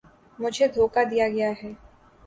مجھے دھوکا دیا گیا ہے